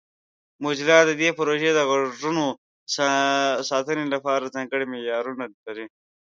موزیلا د دې پروژې د غږونو د ساتنې لپاره ځانګړي معیارونه لري.